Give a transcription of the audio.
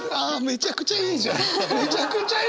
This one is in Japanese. めちゃくちゃいいじゃん！